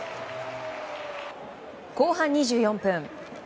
後半２４分。